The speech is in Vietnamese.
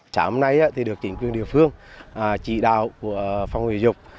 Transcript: trả hôm nay được chỉnh quyền địa phương chỉ đạo của phòng hồi dục